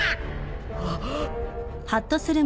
あっ